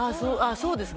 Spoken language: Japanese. そうですね